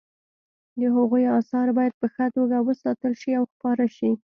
د هغوی اثار باید په ښه توګه وساتل شي او خپاره شي